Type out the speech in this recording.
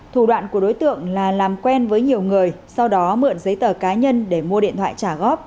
thủ đoạn của đối tượng là làm quen với nhiều người sau đó mượn giấy tờ cá nhân để mua điện thoại trả góp